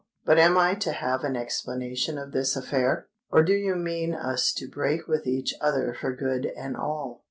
But am I to have an explanation of this affair?—or do you mean us to break with each other for good and all?"